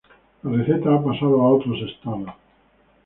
La receta ha pasado a otros estados.